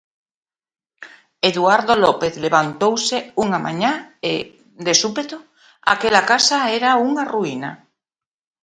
Eduardo López levantouse unha mañá e, de súpeto, aquela casa era unha ruína.